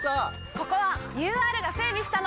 ここはＵＲが整備したの！